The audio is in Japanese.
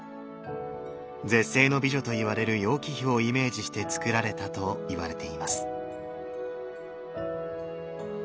絶世の美女といわれる楊貴妃をイメージしてつくられたといわれています。